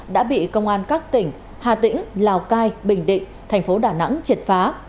đã bị công an các tỉnh hà tĩnh lào cai bình định thành phố đà nẵng triệt phá